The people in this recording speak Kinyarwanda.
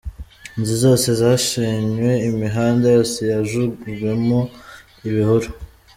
Inzu zose zashenywe, imihanda yose yujujwemo ibihuru.